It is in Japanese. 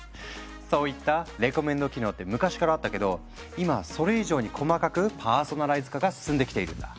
そういったレコメンド機能って昔からあったけど今はそれ以上に細かくパーソナライズ化が進んできているんだ。